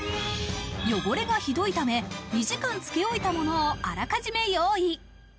汚れがひどいため、２時間つけおいたものをあらかじめ用意。